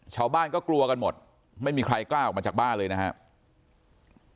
ชาวบ้านก็กลัวกันหมดไม่มีใครกล้าออกมาจากบ้านเลยนะครับ